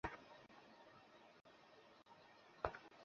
Sir, আপনি আমার ছেলেকে গুপ্তচর বানাতে চান?